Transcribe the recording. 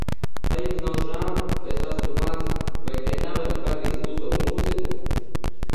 Vai jums žēl, ka es esmu veca vai ka nevarat pagriezt klusāk mūziku?